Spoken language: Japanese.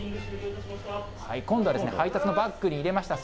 今度は配達のバッグに入れました。